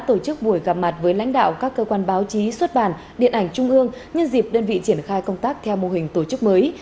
tổ chức buổi gặp mặt với lãnh đạo các cơ quan báo chí xuất bản điện ảnh trung ương nhân dịp đơn vị triển khai công tác theo mô hình tổ chức mới